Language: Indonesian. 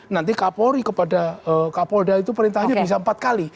nanti kapolri kepada kapolda itu perintahnya bisa empat kali